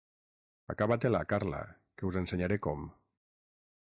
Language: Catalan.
Acaba-te-la, Carla, que us ensenyaré com.